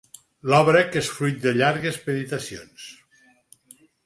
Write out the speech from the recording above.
Obra que és fruit de llargues meditacions.